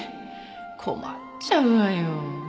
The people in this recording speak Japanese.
困っちゃうわよ。